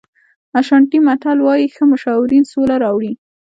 اشانټي متل وایي ښه مشاورین سوله راوړي.